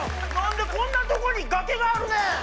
何でこんなとこに崖があるねん！